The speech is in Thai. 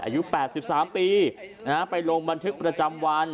อายุแปดสิบสามปีน่าไปลงบันทึกประจำวัน